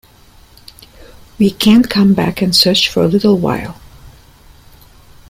We can't come back and search for a little while.